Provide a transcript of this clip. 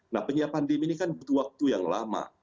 nah penyiapan dim ini kan butuh waktu yang lama